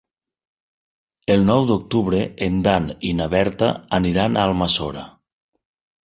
El nou d'octubre en Dan i na Berta aniran a Almassora.